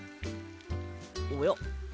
おや？